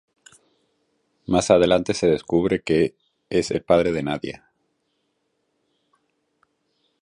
Más adelante se descubre que es el padre de Nadia.